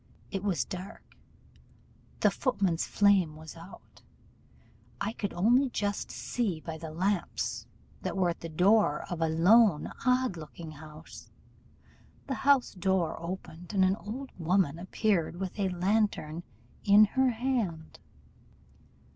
It was dark; the footman's flambeau was out; I could only just see by the lamps that we were at the door of a lone, odd looking house. The house door opened, and an old woman appeared with a lantern in her hand.